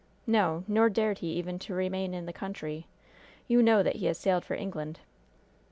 No, nor dared he even to remain in the country. You know that he has sailed for England."